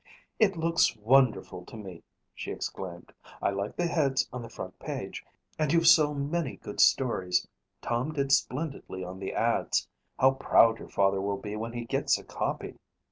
"It looks wonderful to me," she exclaimed. "I like the heads on the front page and you've so many good stories. Tom did splendidly on the ads. How proud your father will be when he gets a copy."